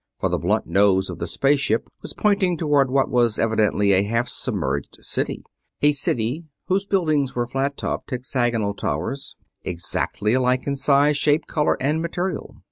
For the blunt nose of the space ship was pointing toward what was evidently a half submerged city, a city whose buildings were flat topped, hexagonal towers, exactly alike in size, shape, color, and material.